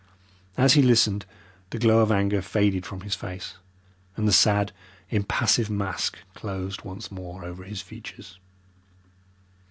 As he listened the glow of anger faded from his face, and the sad, impassive mask closed once more over his features.